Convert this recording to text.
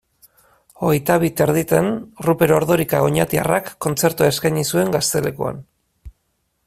Hogeita bi eta erdietan Ruper Ordorika oñatiarrak kontzertua eskaini zuen Gaztelekuan.